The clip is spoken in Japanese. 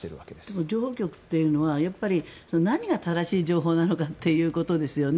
でも情報局というのは何が正しい情報なのかっていうことですよね。